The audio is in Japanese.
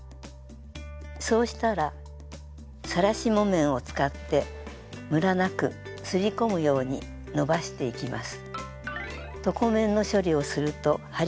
そうしたらさらし木綿を使ってむらなくすり込むように伸ばしていきます。